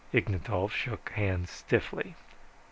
Ignatov shook hands stiffly.